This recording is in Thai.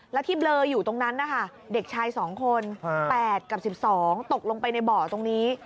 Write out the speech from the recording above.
แล้วที่เบลออยู่ตรงนั้นนะคะเด็กชาย๒คน๘กับ๑๒ตกลงไปในบ่อตรงนี้